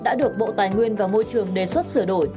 đã được bộ tài nguyên và môi trường đề xuất sửa đổi